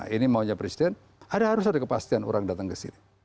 ini maunya presiden harus ada kepastian orang datang ke sini